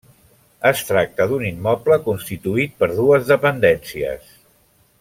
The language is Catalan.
Es tracta d’un immoble constituït per dues dependències.